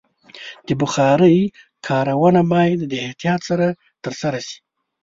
د بخارۍ کارونه باید د احتیاط سره ترسره شي.